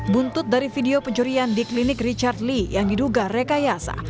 buntut dari video pencurian di klinik richard lee yang diduga rekayasa